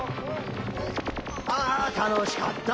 あたのしかった。